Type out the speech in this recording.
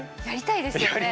やりたいですよね。